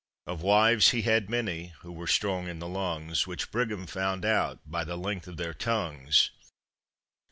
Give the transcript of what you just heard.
Of wives he had many who were strong in the lungs, Which Brigham found out by the length of their tongues.